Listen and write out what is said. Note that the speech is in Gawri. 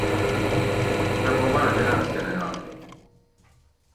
سہ بوباں جناۤزکہ نہ یائ